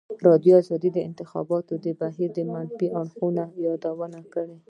ازادي راډیو د د انتخاباتو بهیر د منفي اړخونو یادونه کړې.